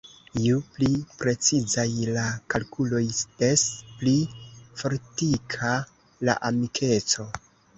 Ju pli precizaj la kalkuloj, des pli fortika la amikeco.